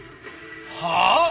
はあ！？